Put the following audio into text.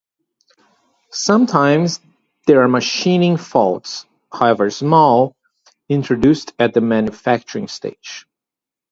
Sometimes, there are machining faults - however small - introduced at the manufacturing stage.